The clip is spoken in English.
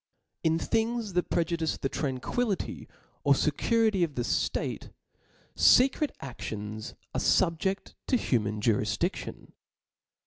In things that prejudice the tranquillity or fecurity of the ftate, fecret aftions arc fubjeft to humaa jurifiJiAion.